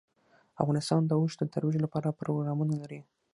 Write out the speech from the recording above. افغانستان د اوښ د ترویج لپاره پروګرامونه لري.